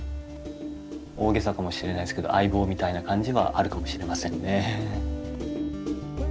大げさかもしれないですけど相棒みたいな感じはあるかもしれませんね。